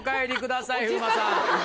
風磨さん。